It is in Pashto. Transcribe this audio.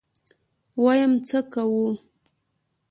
ويم څه کوو.